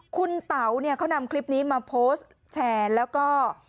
คุณเต๋าเนี่ยเขานำคลิปนี้มาโพสต์แชร์แล้วก็